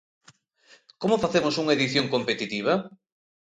Como facemos unha edición competitiva?